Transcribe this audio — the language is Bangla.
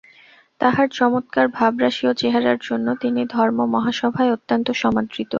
তাঁহার চমৎকার ভাবরাশি ও চেহারার জন্য তিনি ধর্ম-মহাসভায় অত্যন্ত সমাদৃত।